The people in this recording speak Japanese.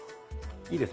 いいです。